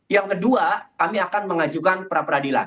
yang kedua kami akan mengajukan pra pradilat